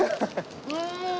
うん！